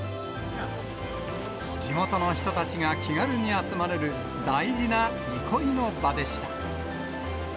地元の人たちが気軽に集まれる大事な憩いの場でした。